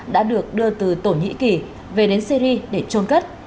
đã được đưa từ thổ nhĩ kỳ về đến syri để trôn cất